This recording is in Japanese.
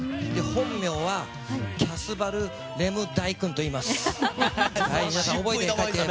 本名はキャスバル・レム・ダイクンといいます。